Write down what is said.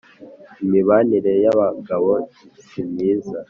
Imibanire y’abagabo simyiza